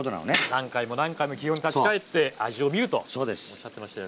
何回も何回も基本立ち返って味を見るとおっしゃってましたよね。